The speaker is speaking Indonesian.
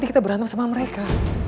kita berantem sama mereka